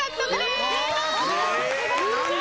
すごーい！